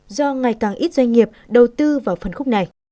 do ngày càng ít doanh nghiệp đầu tư vào phân khúc này